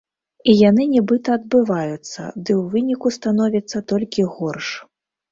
І яны нібыта адбываюцца, ды ў выніку становіцца толькі горш.